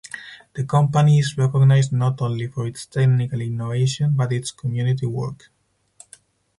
The company is recognised not only for its technical innovation but its community work.